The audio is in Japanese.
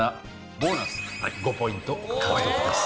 ボーナス５ポイント獲得です。